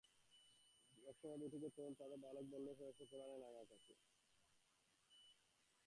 এই সময়ে দুটি তরুণ যুবক, তাঁদের বালক বললেই হয়, এসে পড়লেন আমার কাছে।